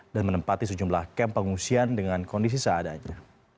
dan menempati sejumlah kamp pengungsian dengan kondisi seadanya